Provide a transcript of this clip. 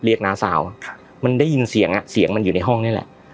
น้าสาวมันได้ยินเสียงอ่ะเสียงมันอยู่ในห้องนี่แหละ